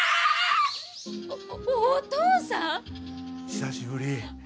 久しぶり。